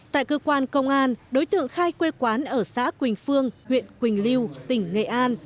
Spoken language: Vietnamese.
tại cơ quan công an đối tượng khai quê quán ở xã quỳnh phương huyện quỳnh lưu tỉnh nghệ an